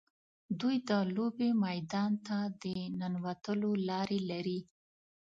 دوی د لوبې میدان ته د ننوتلو لارې لري.